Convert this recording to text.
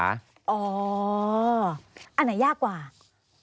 อันไหนยากกว่า